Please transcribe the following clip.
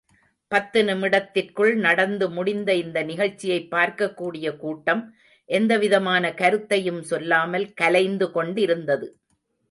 பத்து நிமிடத்திற்குள் நடந்து முடிந்த இந்த நிகழ்ச்சியைப் பார்க்கக்கூடிய கூட்டம் எந்தவிதமான கருத்தையும் சொல்லாமல் கலைந்து கொண்டிருந்தது.